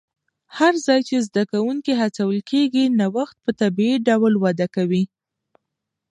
هر ځای چې زده کوونکي هڅول کېږي، نوښت په طبیعي ډول وده کوي.